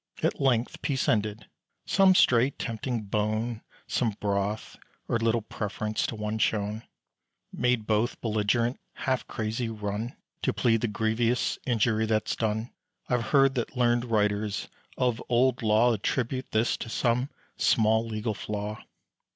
At length peace ended; some stray tempting bone, Some broth, or little preference to one shown, Made both belligerents half crazy run. To plead the grievous injury that's done, I've heard that learned writers of old law Attribute this to some small legal flaw.